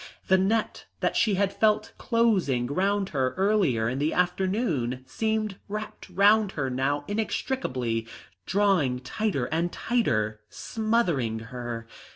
The net that she had felt closing round her earlier in the afternoon seemed wrapped round her now inextricably, drawing tighter and tighter, smothering her.